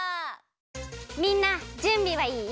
みんなじゅんびはいい？